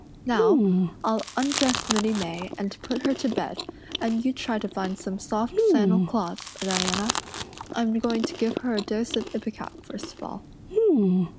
Now, I'll undress Minnie May and put her to bed and you try to find some soft flannel cloths, Diana. I'm going to give her a dose of ipecac first of all."